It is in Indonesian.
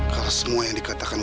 kalau semua yang dikatakan